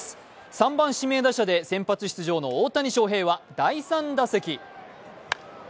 ３番・指名打者で先発出場の大谷翔平は第３打席。